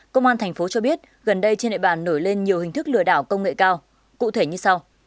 công an thành phố cho biết gần đây trên địa bàn nổi lên nhiều hình thức lừa đảo công nghệ cao cụ thể như sau